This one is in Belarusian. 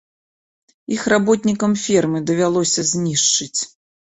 Іх работнікам фермы давялося знішчыць.